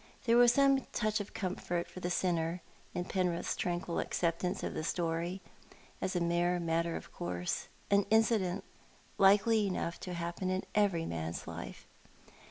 There was some touch of comfort for the sinner in Penrith's tranquil acceptance of the story, as a mere matter of course, an incident likely enough to happen in every man's life.